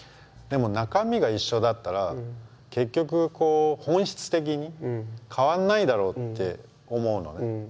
でも中身が一緒だったら結局こう本質的に変わんないだろうって思うのね。